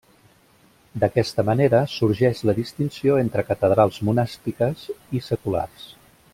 D'aquesta manera sorgeix la distinció entre catedrals monàstiques i seculars.